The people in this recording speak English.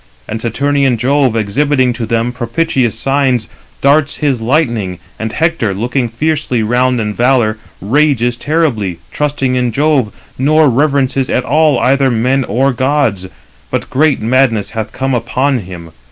301 And Saturnian Jove exhibiting to them propitious signs, darts his lightning; and Hector, looking fiercely round in valour, rages terribly, trusting in Jove, nor reverences at all either men or gods, but great madness hath come upon him.